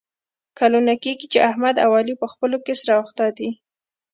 کلونه کېږي چې احمد او علي په خپلو کې سره اخته دي.